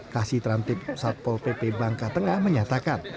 kasih trantip satpol pp bangka tengah menyatakan